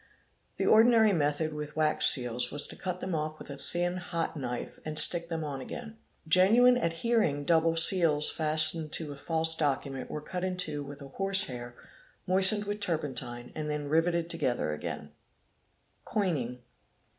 The ordinary method with wax seals was to cut them off with a thin, hot knife and stick them on again. Genuine adhering double seals fastened to a false document wer cut in two with a horsehair moistened with turpentine and then rivet 04 together again. COINING | 791 C. Coining.